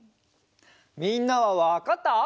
みんなはわかった？